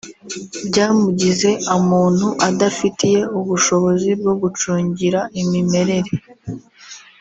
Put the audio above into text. byamugize amuntu adafitiye ubushobozi bwo gucungira imimerere